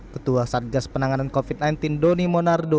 ketua satgas penanganan covid sembilan belas doni monardo